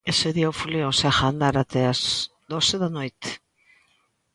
Ese día o fulión segue a andar até as doce da noite.